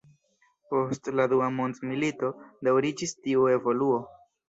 Post la Dua Mondmilito daŭriĝis tiu evoluo.